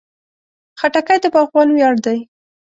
خټکی د باغوان ویاړ دی.